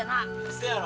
せやろ。